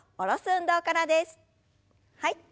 はい。